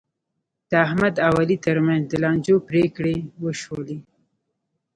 د احمد او علي ترمنځ د لانجو پرېکړې وشولې.